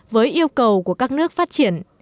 với yêu cầu của các nước phát triển